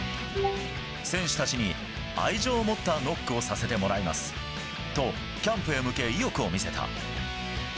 選手たちに愛情を持ったノックをさせてもらいますとキャンプへ向け意欲を見せた。